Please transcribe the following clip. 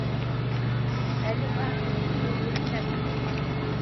Әле бар, шул еткән